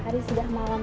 tadi sudah malam